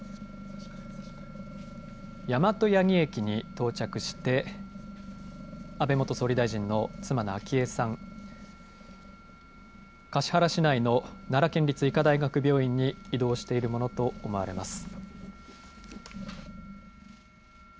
大和八木駅に到着して、安倍元総理大臣の妻の昭恵さん、橿原市内の奈良県立医科大学病院に移動しているものと思われます。